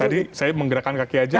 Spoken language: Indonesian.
tadi saya menggerakkan kaki aja